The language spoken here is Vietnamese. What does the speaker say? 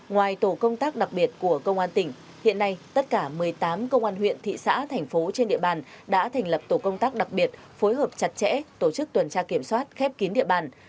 ngoài tổ công tác đặc biệt của công an tỉnh hiện nay tất cả một mươi tám công an huyện thị xã thành phố trên địa bàn đã thành lập tổ công tác đặc biệt phối hợp chặt chẽ tổ chức tuần tra kiểm soát khép kín địa bàn